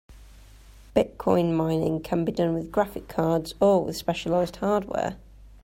Bitcoin mining can be done with graphic cards or with specialized hardware.